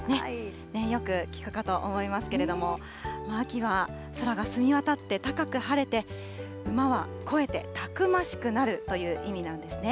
よく聞くかと思いますけれども、秋は空が澄み渡って、高く晴れて、馬は肥えてたくましくなるという意味なんですね。